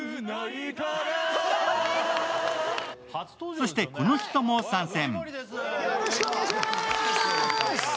そして、この人も参戦。